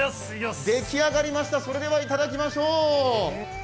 出来上がりました、それではいただきましょう。